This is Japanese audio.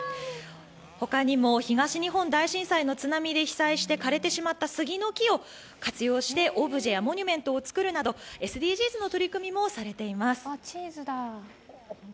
ほかにも、東日本大震災の津波で被災して枯れてしまった杉の木を活用してオブジェはモニュメントをつくるなどＳＤＧｓなどの活動もしています。